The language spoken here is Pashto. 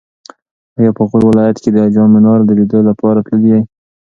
ایا په غور ولایت کې د جام منار د لیدو لپاره تللی یې؟